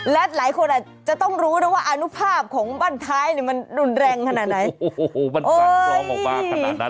แล้วหลายคนอ่ะจะต้องรู้ว่าอานุภาพของบ้านถ้ายนี่มันรุนแรงขนาดไหน